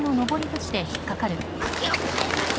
向きを変えましょ。